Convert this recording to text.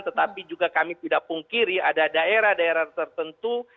tetapi juga kami tidak pungkiri ada daerah daerah tertentu